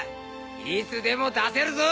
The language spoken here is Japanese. いつでも出せるぞ。